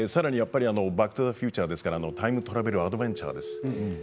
「バック・トゥ・ザ・フューチャー」ですからタイムトラベルアドベンチャーです。